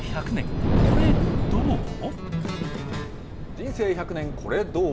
人生１００年、コレどう！？